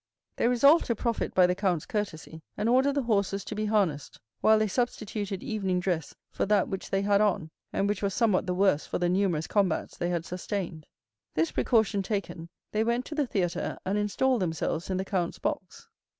They resolved to profit by the count's courtesy, and ordered the horses to be harnessed, while they substituted evening dress for that which they had on, and which was somewhat the worse for the numerous combats they had sustained. 20181m This precaution taken, they went to the theatre, and installed themselves in the count's box.